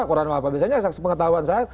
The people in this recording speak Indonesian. koran mau apa biasanya sepengetahuan saya